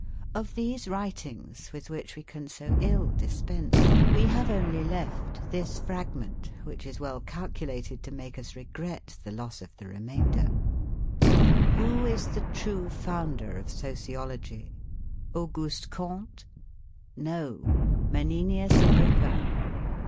Of these writings with which we can so ill dispense, we have only left this fragment which is well calculated to make us regret the loss of the remainder: "Who is the true founder of Sociology? Auguste Comte? No, Menenius Agrippa.